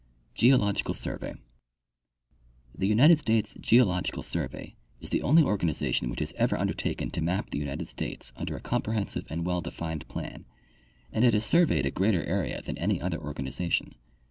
Geological Survey. — The United States Geological survey is the ■ only organization which has ever undertaken to map the United States under a comprehensive and well defined plan, and it has surveyed a greater area than any other organization.